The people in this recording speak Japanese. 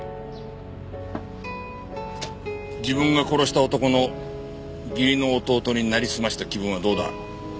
自分が殺した男の義理の弟になりすました気分はどうだ？